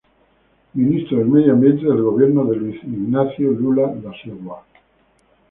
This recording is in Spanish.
Ministro del Medio Ambiente del gobierno de Luiz Inácio Lula da Silva.